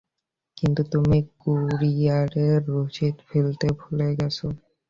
কিন্তু তুমি কুরিয়ারের রসিদ ফেলতে ভুলে গেছ।